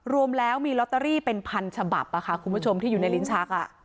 รวมแล้วมีลอตเตอรี่เป็นพันฉบับค่ะคุณผู้ชมที่อยู่ในลิ้นชัก